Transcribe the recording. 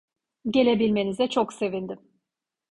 Gelebilmenize çok sevindim.